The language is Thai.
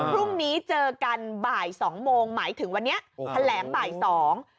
พรุ่งนี้เจอกันบ่ายสองโมงหมายถึงวันนี้แถลงบ่ายสอง